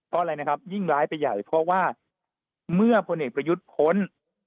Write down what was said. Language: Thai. เพราะอะไรนะครับยิ่งร้ายไปใหญ่เพราะว่าเมื่อพลเอกประยุทธ์พ้น